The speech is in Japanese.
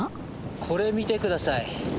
これ見て下さい。